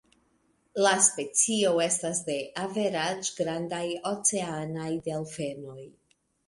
La specio estas de averaĝ-grandaj oceanaj delfenoj.